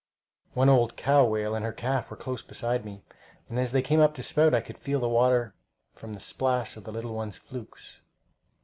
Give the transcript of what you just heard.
One old cow whale and her calf were close beside me, and as they came up to spout I could feel the water from the splash of the little one's flukes.